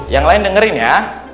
yang lain dengerin ya